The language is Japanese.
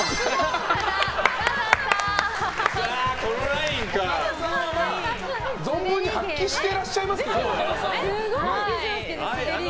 岡田さんは存分に発揮してらっしゃいますけどね。